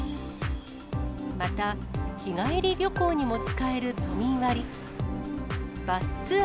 また、日帰り旅行にも使える都民割。